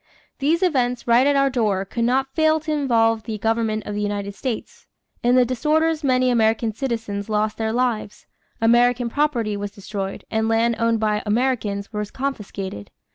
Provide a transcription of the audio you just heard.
These events right at our door could not fail to involve the government of the United States. In the disorders many American citizens lost their lives. American property was destroyed and land owned by Americans was confiscated.